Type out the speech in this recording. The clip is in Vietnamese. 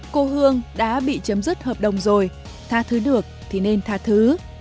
cô hương đã bị chấm dứt hợp đồng rồi tha thứ được thì nên tha thứ